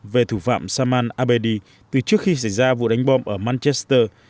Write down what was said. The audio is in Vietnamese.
về thủ phạm salman abedi từ trước khi xảy ra vụ đánh bom ở manchester